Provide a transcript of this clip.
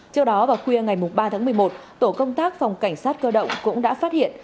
trước đó vào khuya ngày ba tháng một mươi một tổ công tác phòng cảnh sát cơ động cũng đã phát hiện